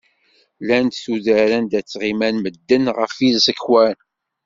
Llant tuddar anda ttɣiman medden ɣef yiẓekwan.